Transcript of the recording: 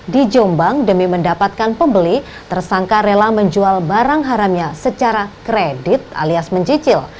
di jombang demi mendapatkan pembeli tersangka rela menjual barang haramnya secara kredit alias mencicil